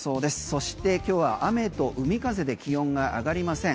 そして今日は雨と海風で気温が上がりません。